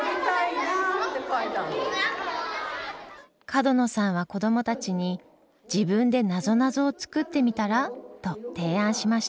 角野さんは子どもたちに「自分でなぞなぞを作ってみたら？」と提案しました。